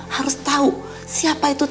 harus tau siapa itu